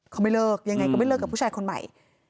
เขาไม่เลิกยังไงก็ไม่เลิกกับผู้ชายคนใหม่